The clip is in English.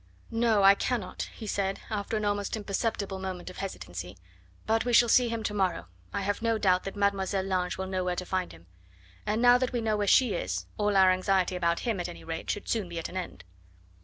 "No, I cannot," he said, after an almost imperceptible moment of hesitancy; "but we shall see him to morrow. I have no doubt that Mademoiselle Lange will know where to find him; and now that we know where she is, all our anxiety about him, at any rate, should soon be at an end."